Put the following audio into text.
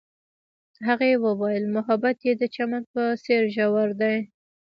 هغې وویل محبت یې د چمن په څېر ژور دی.